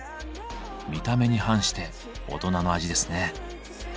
見た目に反して大人の味ですね。